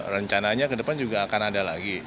rencananya ke depan juga akan ada lagi